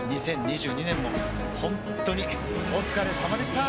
２０２２年もほんっとにお疲れさまでした！